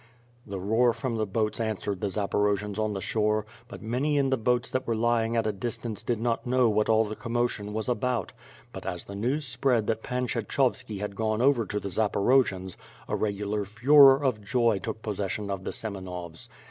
The roar from the boats answered the Zaporojians on the shore, but many in the boats that were lying at a distance did not know what all the commotion was about; but as the news spread that Pan Kshechovski had gone over to the Zaporojians, a regular furor of joy took possession of the Semenovs.